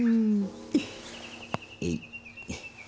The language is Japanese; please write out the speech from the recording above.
えい。